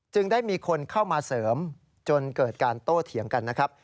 ได้มีคนเข้ามาเสริมจนเกิดการโต้เถียงกันนะครับ